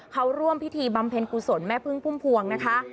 เขาร่วมพิธีบำเพ็ญกุศลแม่พึ่งพุ่มพวงนะคะ